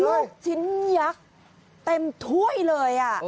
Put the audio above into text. ลูกชิ้นยักษ์เต็มถ้วยเลย